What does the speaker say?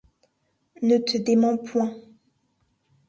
Ne te démens point.